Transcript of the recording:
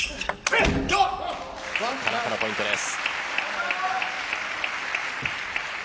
田中のポイントです。